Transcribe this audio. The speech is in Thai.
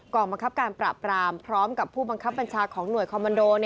บังคับการปราบปรามพร้อมกับผู้บังคับบัญชาของหน่วยคอมมันโด